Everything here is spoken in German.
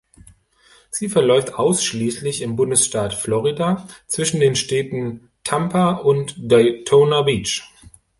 Sie verläuft ausschließlich im Bundesstaat Florida zwischen den Städten Tampa und Daytona Beach.